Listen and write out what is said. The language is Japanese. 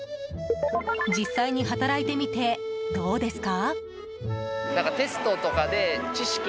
実際に働いてみて、どうですか？